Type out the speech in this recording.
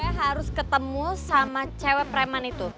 saya harus ketemu sama cewek preman itu